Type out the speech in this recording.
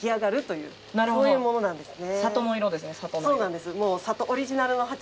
そうなんです。